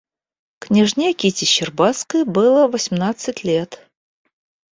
Княжне Кити Щербацкой было восьмнадцать лет.